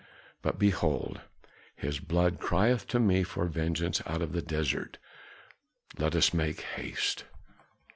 But behold, his blood crieth to me for vengeance out of the desert. Let us make haste!"